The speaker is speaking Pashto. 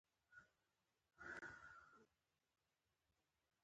په پاکستان کې خورا اړ و دوړ روان دی.